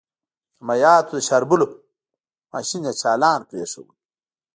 د مايعاتو د شاربلو ماشين يې چالان پرېښود.